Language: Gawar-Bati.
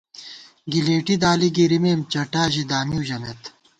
گِلېٹی دالی گِرِمېم چٹا ژِی دامیؤ ژَمېت